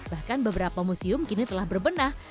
bahkan beberapa museum kini telah berbenah